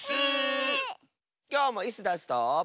きょうもイスダスと。